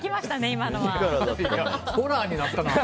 ホラーになったな。